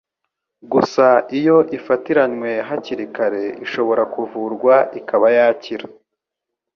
gusa iyo ifatiranywe hakiri kare ishobora kuvurwa ikaba yakira.